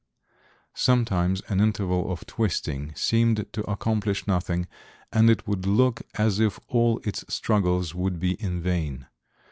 Sometimes an interval of twisting seemed to accomplish nothing, and it would look as if all its struggles would be in vain.